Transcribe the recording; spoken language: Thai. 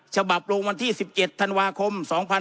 ฉบับลงวันที่๑๗ธันวาคม๒๕๖๒